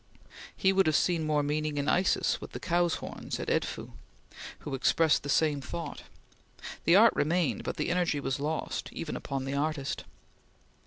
He would have seen more meaning in Isis with the cow's horns, at Edfoo, who expressed the same thought. The art remained, but the energy was lost even upon the artist.